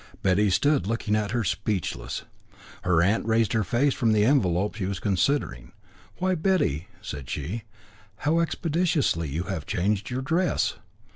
Betty stood looking at her, speechless. Her aunt raised her face from an envelope she was considering. "Why, Betty," said she, "how expeditiously you have changed your dress!"